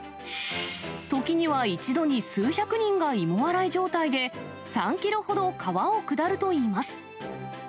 時には一度に数百人が芋洗い状態で、３キロほど川を下るといいます。